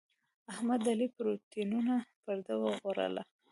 احمد د علي پر تېروتنو پرده وغوړوله.